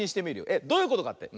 えっどういうことかって？